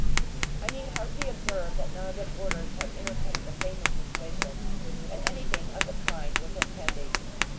I need hardly observe that none of the boarders had entertained the faintest suspicion that anything of the kind was impending.